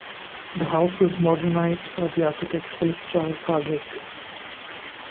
The house was modernised by the architect Philip Charles Hardwick.